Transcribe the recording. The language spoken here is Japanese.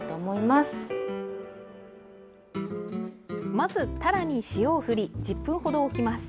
まず、たらに塩を振り１０分ほど置きます。